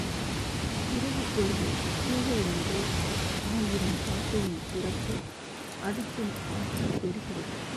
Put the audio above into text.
இரவுப்பொழுது கூகை ஒன்றே ஆயிரம் காக்கையைத் துரத்தி அடிக்கும் ஆற்றல் பெறுகிறது.